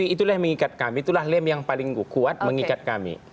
itulah yang mengikat kami itulah lem yang paling kuat mengikat kami